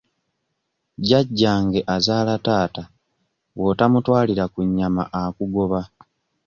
Jjajjange azaala taata bw'otamutwalira ku kanyama akugoba.